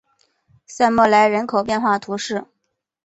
塞默莱人口变化图示